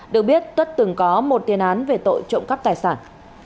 được biết tất từng có một tiền án về tội trộm cắp tài sản